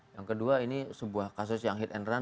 yang kedua ini sebuah kasus yang hit and run